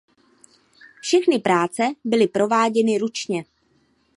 Všechny práce byly prováděny ručně.